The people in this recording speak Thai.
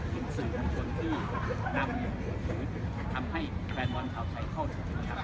เป็นสินค้อของคนที่นำหรือทำให้แฟนบอนเทลาไทยเข้าถึง